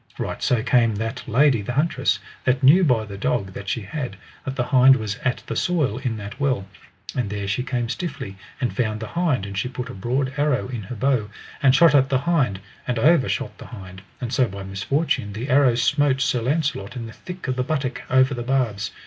Right so came that lady the huntress, that knew by the dog that she had, that the hind was at the soil in that well; and there she came stiffly and found the hind, and she put a broad arrow in her bow, and shot at the hind, and over shot the hind; and so by misfortune the arrow smote Sir Launcelot in the thick of the buttock, over the barbs.